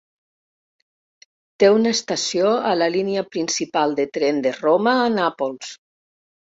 Té una estació a la línia principal de tren de Roma a Nàpols.